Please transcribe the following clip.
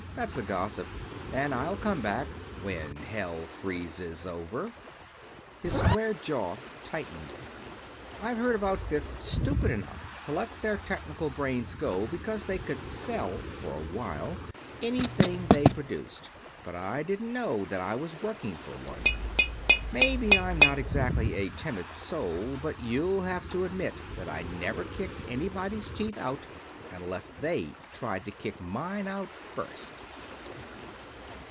That's the gossip. And I'll come back when hell freezes over." His square jaw tightened. "I've heard of outfits stupid enough to let their technical brains go because they could sell for a while anything they produced, but I didn't know that I was working for one. Maybe I'm not exactly a Timid Soul, but you'll have to admit that I never kicked anybody's teeth out unless they tried to kick mine out first."